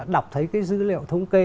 đọc thấy cái dữ liệu thống kê